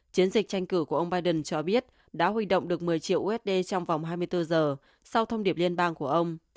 chiến dịch tranh cử của ông biden cho biết đã huy động được một mươi triệu usd trong vòng hai mươi bốn giờ sau thông điệp liên bang của ông